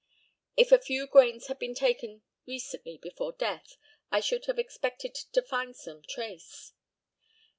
If a few grains had been taken recently before death I should have expected to find some trace.